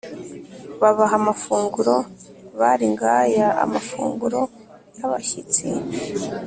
babaha amafunguro, bari ngaya amafunguro y’abashyitsi.